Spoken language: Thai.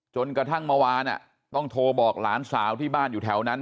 จนกระทั่งเมื่อวานต้องโทรบอกหลานสาวที่บ้านอยู่แถวนั้น